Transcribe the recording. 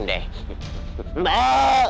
mbak jadi bingung